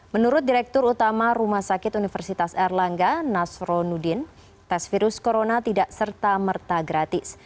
menurut direktur utama rumah sakit universitas erlangga nasro nudin tes virus corona tidak serta merta gratis